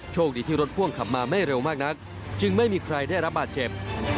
โชคดีที่รถพ่วงขับมาไม่เร็วมากนักจึงไม่มีใครได้รับบาดเจ็บ